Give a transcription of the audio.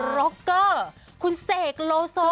ร็อกเกอร์คุณเสกโลโซ